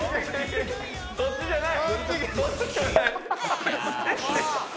そっちじゃない！